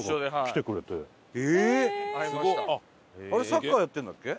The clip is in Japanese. サッカーやってるんだっけ？